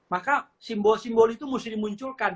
maka simbol simbol itu mesti dimunculkan